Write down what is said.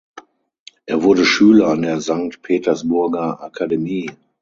Er wurde Schüler an der Sankt Petersburger Akademie.